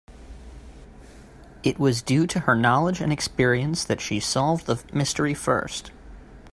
It was due to her knowledge and experience that she solved the mystery first.